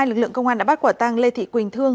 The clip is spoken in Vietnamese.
lực lượng công an đã bắt quả tăng lê thị quỳnh thương